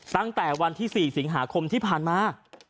ตั้งแต่วันที่๔สิงหาคมที่ผ่านมา